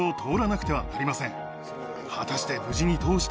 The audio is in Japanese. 果たして。